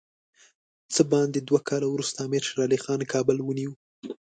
څه باندې دوه کاله وروسته امیر شېر علي خان کابل ونیوی.